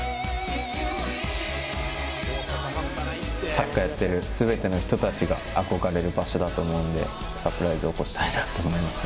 サッカーやってる全ての人たちが憧れる場所だと思うのでサプライズ起こしたいなって思います。